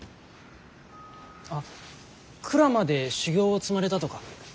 あっ鞍馬で修行を積まれたとか。